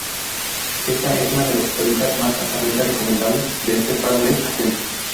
Esta es una de las historietas más altamente recomendables de este par de agentes.